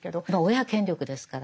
親権力ですから。